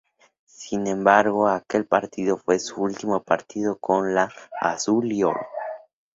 Sin embargo, aquel partido fue su último partido con la "azul y oro".